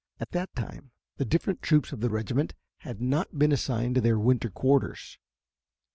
At that time the different troops of the regiment had not been assigned to their winter quarters.